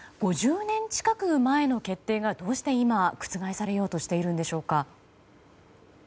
５０年近く前の決定がどうして今覆されようとしているのでしょうか。